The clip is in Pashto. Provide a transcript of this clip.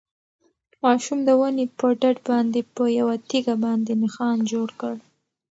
ماشوم د ونې په ډډ باندې په یوه تیږه باندې نښان جوړ کړ.